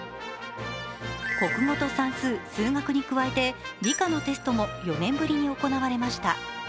国語と算数、数学に加えて理科のテストも４年ぶりに行われました。